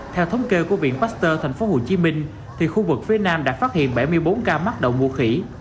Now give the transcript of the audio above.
theo thống kê của viện pasteur tp hcm khu vực phía nam đã phát hiện bảy mươi bốn ca mắc đậu mùa khỉ